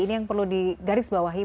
ini yang perlu digarisbawahi